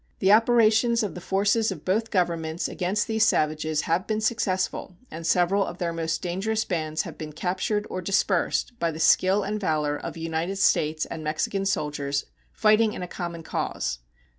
The operations of the forces of both Governments against these savages have been successful, and several of their most dangerous bands have been captured or dispersed by the skill and valor of United States and Mexican soldiers fighting in a common cause.